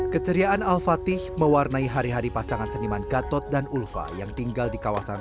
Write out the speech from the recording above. keciriaan alfatih mewarnai hari hari pasangan seniman gatot dan ulfa yang tinggal di kawasan